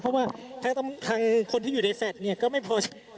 เพราะว่าทางคนที่อยู่ในแฝดก็ไม่พอใจ